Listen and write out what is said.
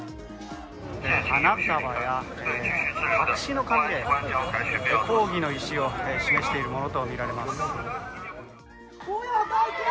花束や白紙の紙で抗議の意思を示しているものとみられます。